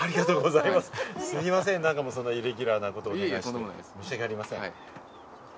すみません、イレギュラーなことをお願いして、申し訳ありません。